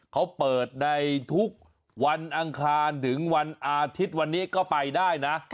เขาเปิดในทุกวันอังคารถึงวันอาทิตย์วันนี้ก็ไปได้นะ